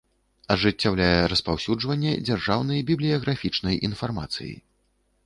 Ажыццяўляе распаўсюджванне дзяржаўнай бiблiяграфiчнай iнфармацыi.